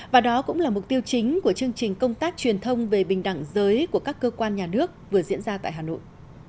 và đó cũng là mục tiêu chính của chương trình công tác truyền thông về bình đẳng giới của các cơ quan nhà nước vừa diễn ra tại hà nội